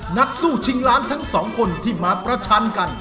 นักสู้ชิงล้านทั้งสองคนที่มาประชันกัน